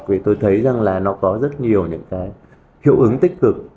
thì tôi thấy rằng là nó có rất nhiều những cái hiệu ứng tích cực